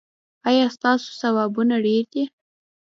ایا ستاسو ثوابونه ډیر دي؟